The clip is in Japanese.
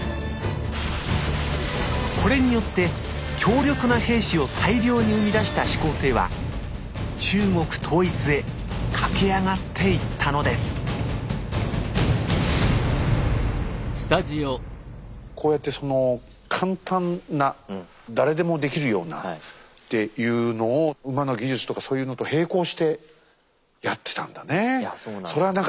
これによって強力な兵士を大量に生み出した始皇帝は中国統一へ駆け上がっていったのですこうやってその簡単な誰でもできるようなっていうのを馬の技術とかそういうのと並行してやってたんだねえ。